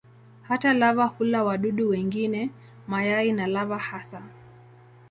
Hata lava hula wadudu wengine, mayai na lava hasa.